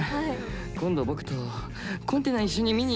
今度僕とコンテナ一緒に見に行きませんか？